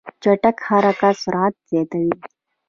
چټک حرکت سرعت زیاتوي.